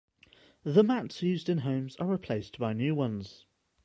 The mats used in homes are replaced by new ones.